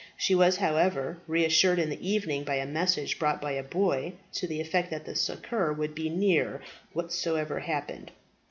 She was, however, reassured in the evening by a message brought by a boy, to the effect that succour would be near, whatsoever happened.